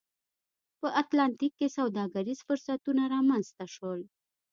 په اتلانتیک کې سوداګریز فرصتونه رامنځته شول.